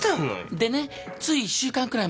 でねつい１週間くらい前なんだけど。